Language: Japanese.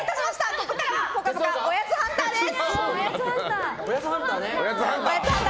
ここからはおやつハンターです。